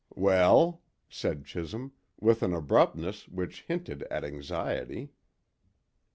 "Well?" said Chisholm, with an abruptness which hinted at anxiety.